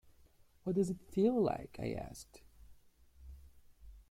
“What does it feel like?” I asked.